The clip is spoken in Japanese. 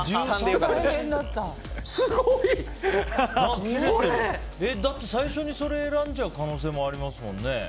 すごい！だって最初にそれ選んじゃう可能性ありますもんね。